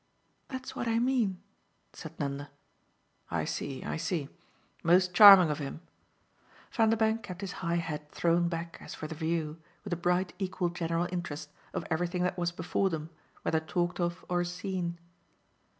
"That's what I mean," said Nanda. "I see, I see most charming of him." Vanderbank kept his high head thrown back as for the view, with a bright equal general interest, of everything that was before them, whether talked of or seen.